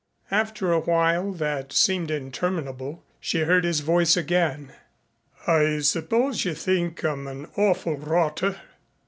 After a while that seemed interminable she heard his voice again. "I suppose you think I'm an awful rotter."